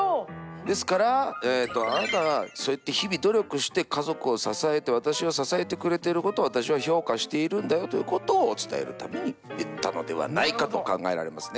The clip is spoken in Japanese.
ですからあなたがそうやって日々努力して家族を支えて私を支えてくれてることを私は評価しているんだよということを伝えるために言ったのではないかと考えられますね。